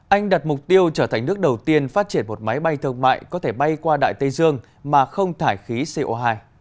anh đặt mục tiêu trở thành nước đầu tiên phát triển một máy bay thương mại có thể bay qua đại tây dương mà không thải khí co hai